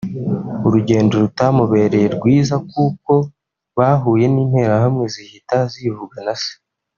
urugendo rutamubereye rwiza kuko bahuye n’Interahamwe zihita zivugana se